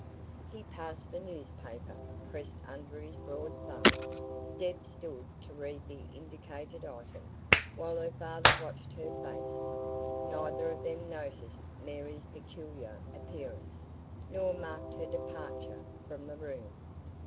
He passed the newspaper, pressed under his broad thumb. Deb stood to read the indicated item, while her father watched her face. Neither of them noticed Mary's peculiar appearance, nor marked her departure from the room.